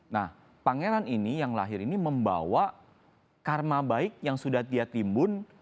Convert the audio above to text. nah pangeran ini yang lahir ini membawa karma baik yang sudah dia timbun